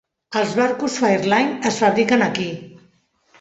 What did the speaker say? Els barcos Fairline es fabriquen aquí.